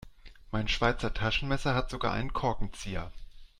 Mein Schweizer Taschenmesser hat sogar einen Korkenzieher.